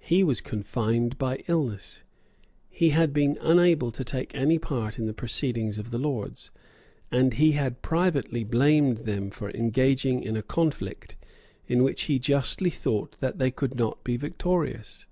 He was confined by illness. He had been unable to take any public part in the proceedings of the Lords; and he had privately blamed them for engaging in a conflict in which he justly thought that they could not be victorious.